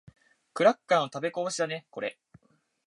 クラッカーの食べこぼしだね、これ。